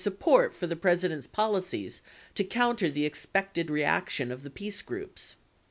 153 support for the President's policies to counter the expected reaction of the peace groups.